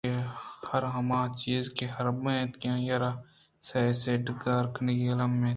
چیاکہ ہر ہما چیز کہ حراب اِنت آئی ءَ را سیہ سِیڈ ءُ گار کنگ المّی اِنت